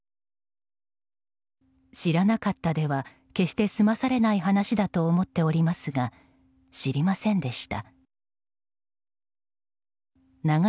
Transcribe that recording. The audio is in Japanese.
知らなかったでは決して済まされない話だとは思っておりますが知りませんでした。